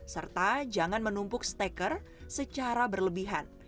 serta jangan menumpuk steker secara berlebihan